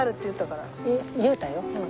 言うたよ。